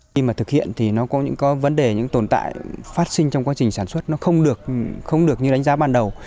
khi mà thực hiện thì nó có những vấn đề những tồn tại phát sinh trong quá trình sản xuất nó không được như đánh giá ban đầu